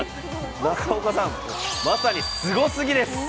中岡さん、まさにすごスギです！